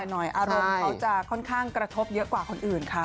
หน่อยอารมณ์เขาจะค่อนข้างกระทบเยอะกว่าคนอื่นค่ะ